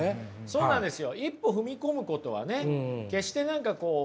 そうなんですよ。